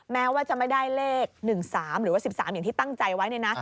แม้ว่าจะไม่ได้เลข๑๓หรือว่า๑๓อย่างที่ตั้งใจไว้เนี่ยนะ